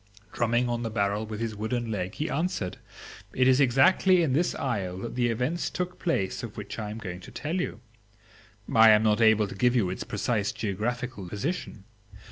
Drumming on the barrel with his wooden leg, he answered, "It is exactly in this isle that the events took place of which I am going to tell you. I am not able to give you its precise geographical position.